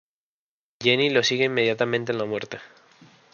Jenny lo sigue inmediatamente en la muerte.